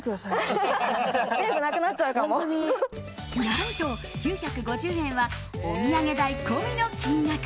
何と、９５０円はお土産代込みの金額。